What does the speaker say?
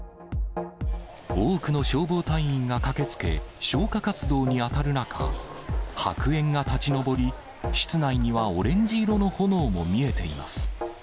多くの消防隊員が駆けつけ、消火活動に当たる中、白煙が立ち上り、室内にはオレンジ色の炎も見えています。